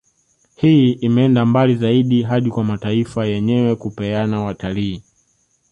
Hii imeenda mbali zaidi hadi kwa mataifa yenyewe kupeana watalii